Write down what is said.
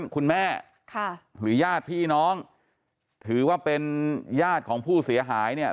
คุณแม่หรือญาติพี่น้องถือว่าเป็นญาติของผู้เสียหายเนี่ย